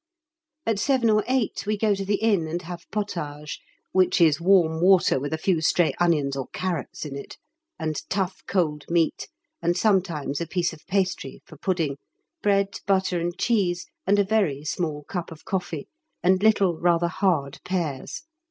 At 7 or 8 we go to the Inn and have pôtage (which is warm water with a few stray onions or carrots in it), and tough cold meat, and sometimes a piece of pastry (for pudding), bread, butter, and cheese, and a very small cup of coffee, and little, rather hard pears.